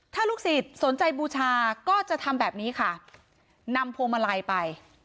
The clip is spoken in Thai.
ถ้าลูกศิษย์สนใจบูชาก็จะทำแบบนี้ค่ะนำพวงมาลัยไป